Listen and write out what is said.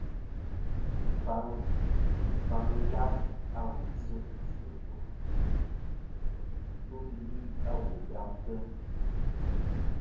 Wu faŋi yaf a wà dzɨ sɨ wul ɨlue lufɨli a wu gamtɨ.